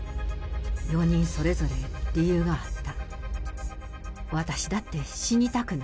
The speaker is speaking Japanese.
４人それぞれ理由があった。